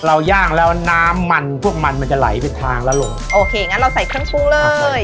ย่างแล้วน้ำมันพวกมันมันจะไหลเป็นทางแล้วลุงโอเคงั้นเราใส่เครื่องปรุงเลย